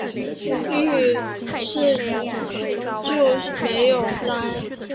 於是就没有摘